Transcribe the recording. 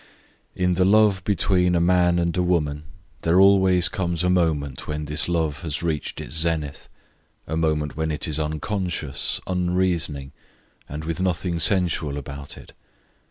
In the love between a man and a woman there always comes a moment when this love has reached its zenith a moment when it is unconscious, unreasoning, and with nothing sensual about it.